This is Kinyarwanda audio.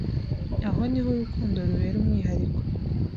aho niho urukundo rubera umwihariko